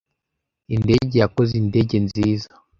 Indege yakoze indege nziza.